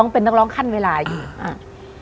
เป็นนักร้องขั้นเวลาอยู่อ่า